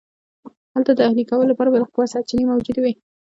هلته د اهلي کولو لپاره بالقوه سرچینې موجودې وې